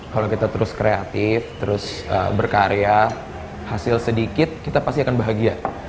kalau kita terus kreatif terus berkarya hasil sedikit kita pasti akan bahagia